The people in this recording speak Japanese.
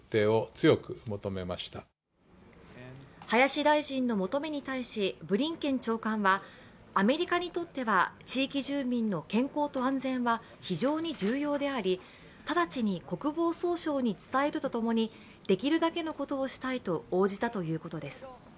林大臣の求めに対しブリンケン長官はアメリカにとっては地域住民の健康と安全は非常に重要であり、直ちに国防総省に伝えるとともにできるだけのことをしたいと応じたということです。